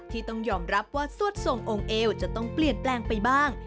ที่ต้องยอมรับว่าสวดทรงองค์เอวจะต้องเปลี่ยนแปลงไปบ้าง